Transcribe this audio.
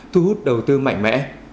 thu hút đầu tư mạnh mẽ